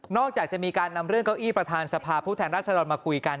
จากจะมีการนำเรื่องเก้าอี้ประธานสภาพผู้แทนราชดรมาคุยกัน